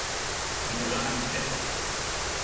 Ampak danes je petek.